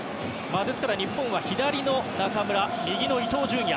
ですから日本は左の中村、右の伊東純也